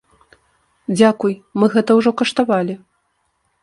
Дзякуй, мы гэта ўжо каштавалі.